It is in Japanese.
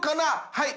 はい！